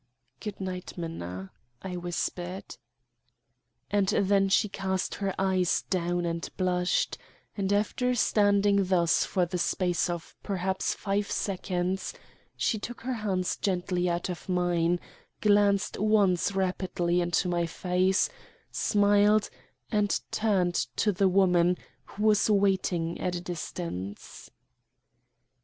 "Good night, Minna," I whispered. And then she cast her eyes down and blushed; and after standing thus for the space of perhaps five seconds she took her hands gently out of mine, glanced once rapidly into my face, smiled, and turned to the woman, who was waiting at a distance.